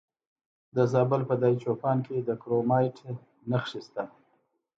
د زابل په دایچوپان کې د کرومایټ نښې شته.